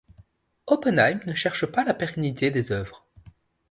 Oppenheim ne cherche pas la pérennité des œuvres.